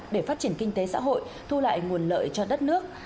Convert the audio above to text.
để phát triển kinh tế xã hội thu lại nguồn lợi cho đất nước